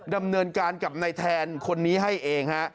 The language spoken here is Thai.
ดำเนินการกับนายแทนคนนี้ให้เองฮะ